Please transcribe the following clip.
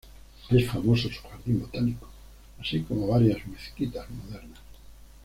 Es famoso su jardín botánico, así como varias mezquitas modernas.